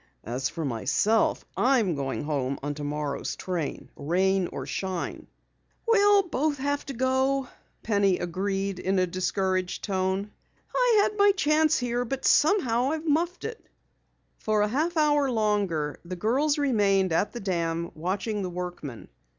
"As for myself, I'm going home on tomorrow's train rain or shine." "We'll both have to go," Penny agreed in a discouraged tone. "I had my chance here, but somehow I've muffed it." For a half hour longer the girls remained at the dam watching the workmen.